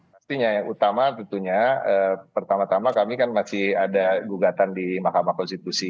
pastinya yang utama tentunya pertama tama kami kan masih ada gugatan di mahkamah konstitusi